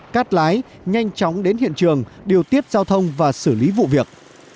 cát lái nhanh chóng đến hiện trường điều tiết giao thông và xử lý vụ việc